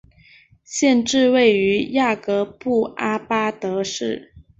县治位于雅各布阿巴德市。